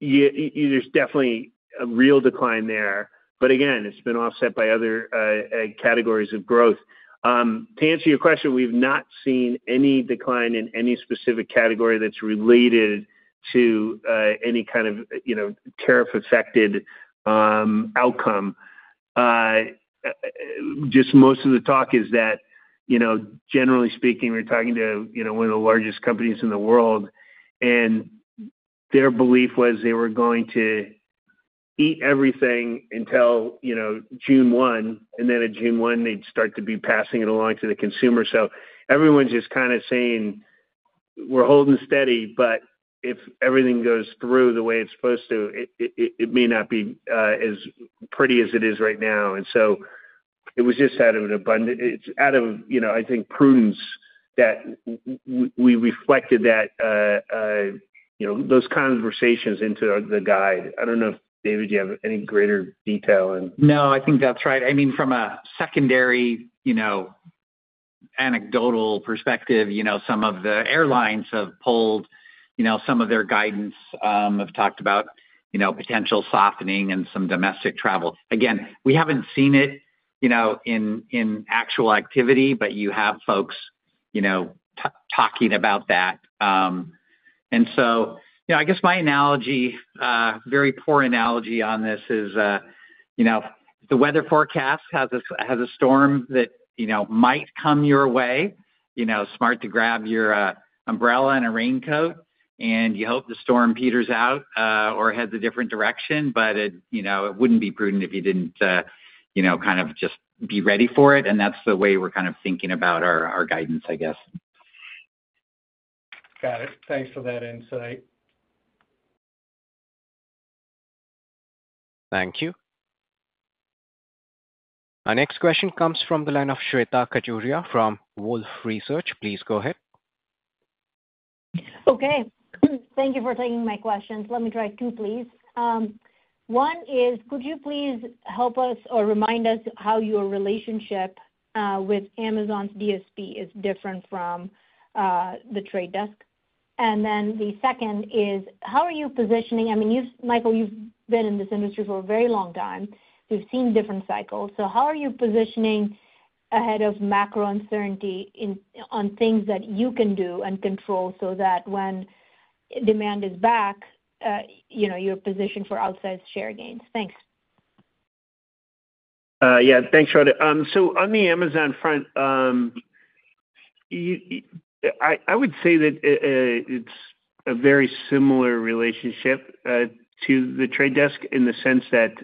is definitely a real decline there. Again, it has been offset by other categories of growth. To answer your question, we've not seen any decline in any specific category that's related to any kind of tariff-affected outcome. Just most of the talk is that, generally speaking, we're talking to one of the largest companies in the world, and their belief was they were going to eat everything until June 1, and then at June 1, they'd start to be passing it along to the consumer. Everyone's just kind of saying, "We're holding steady, but if everything goes through the way it's supposed to, it may not be as pretty as it is right now." It was just out of an abundance. It's out of, I think, prudence that we reflected those conversations into the guide. I don't know if, David, do you have any greater detail? No, I think that's right. I mean, from a secondary anecdotal perspective, some of the airlines have pulled some of their guidance, have talked about potential softening in some domestic travel. Again, we haven't seen it in actual activity, but you have folks talking about that. I guess my analogy, very poor analogy on this, is the weather forecast has a storm that might come your way. Smart to grab your umbrella and a raincoat, and you hope the storm peters out or heads a different direction, but it wouldn't be prudent if you didn't kind of just be ready for it. That's the way we're kind of thinking about our guidance, I guess. Got it. Thanks for that insight. Thank you. Our next question comes from the line of Shweta Khajuria from Wolfe Research. Please go ahead. Okay. Thank you for taking my questions. Let me try two, please. One is, could you please help us or remind us how your relationship with Amazon's DSP is different from The Trade Desk? And then the second is, how are you positioning? I mean, Michael, you've been in this industry for a very long time. We've seen different cycles. How are you positioning ahead of macro uncertainty on things that you can do and control so that when demand is back, you're positioned for outsized share gains? Thanks. Yeah. Thanks, Shweta. On the Amazon front, I would say that it's a very similar relationship to the Trade Desk in the sense that,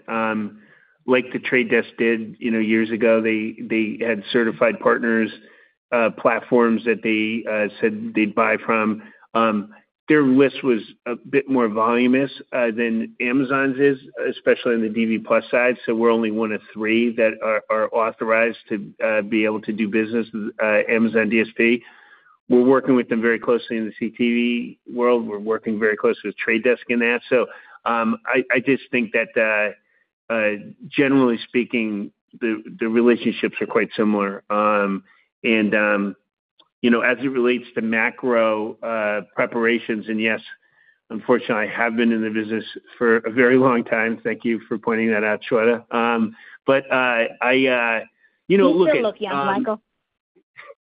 like the Trade Desk did years ago, they had certified partners, platforms that they said they'd buy from. Their list was a bit more voluminous than Amazon's, especially on the DV+ side. We're only one of three that are authorized to be able to do business with Amazon DSP. We're working with them very closely in the CTV world. We're working very closely with Trade Desk in that. I just think that, generally speaking, the relationships are quite similar. As it relates to macro preparations, and yes, unfortunately, I have been in the business for a very long time. Thank you for pointing that out, Shweta. I look at. You're still looking at me, Michael?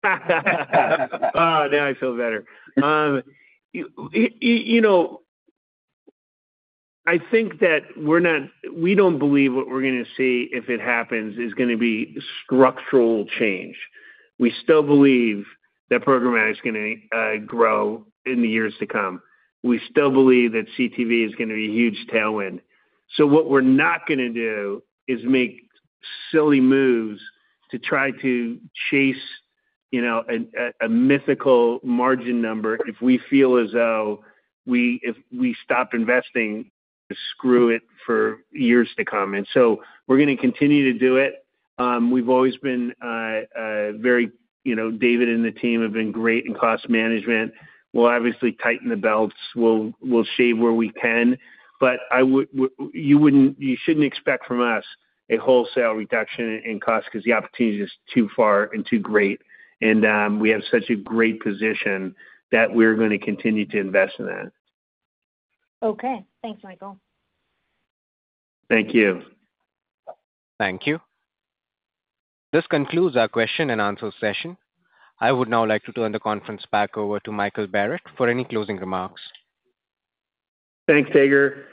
Oh, now I feel better. I think that we don't believe what we're going to see if it happens is going to be structural change. We still believe that programmatic is going to grow in the years to come. We still believe that CTV is going to be a huge tailwind. What we're not going to do is make silly moves to try to chase a mythical margin number if we feel as though if we stop investing, we're going to screw it for years to come. We are going to continue to do it. We've always been very, David and the team have been great in cost management. We'll obviously tighten the belts. We'll shave where we can. You shouldn't expect from us a wholesale reduction in cost because the opportunity is just too far and too great. We have such a great position that we're going to continue to invest in that. Okay. Thanks, Michael. Thank you. Thank you. This concludes our question and answer session. I would now like to turn the conference back over to Michael Barrett for any closing remarks. Thanks, Dagar.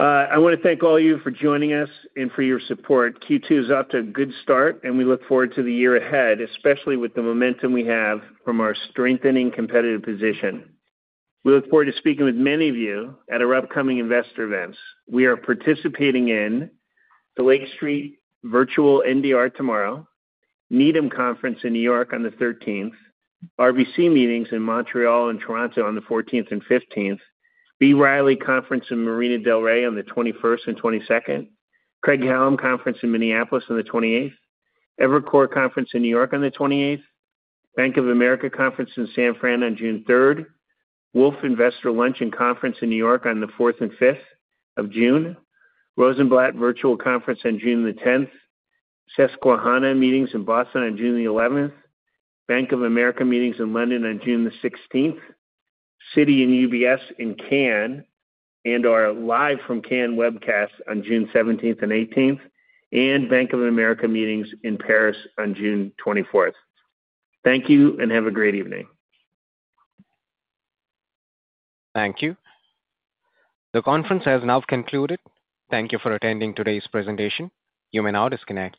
I want to thank all of you for joining us and for your support. Q2 is off to a good start, and we look forward to the year ahead, especially with the momentum we have from our strengthening competitive position. We look forward to speaking with many of you at our upcoming investor events. We are participating in the Lake Street Virtual NDR tomorrow, Needham Conference in New York on the 13th, RBC meetings in Montreal and Toronto on the 14th and 15th, B. Riley Conference in Marina del Rey on the 21st and 22nd, Craig-Hallum Conference in Minneapolis on the 28th, Evercore Conference in New York on the 28th, Bank of America Conference in San Francisco on June 3rd, Wolfe Investor Lunch and Conference in New York on the 4th and 5th of June, Rosenblatt Virtual Conference on June 10th, Susquehanna Meetings in Boston on June 11th, Bank of America Meetings in London on June 16th, Citi and UBS in Cannes, and our Live from Cannes webcast on June 17th and 18th, and Bank of America Meetings in Paris on June 24th. Thank you and have a great evening. Thank you. The conference has now concluded. Thank you for attending today's presentation. You may now disconnect.